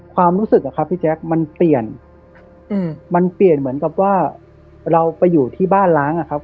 ความรู้สึกอะครับพี่แจ๊คมันเปลี่ยนมันเปลี่ยนเหมือนกับว่าเราไปอยู่ที่บ้านล้างอะครับ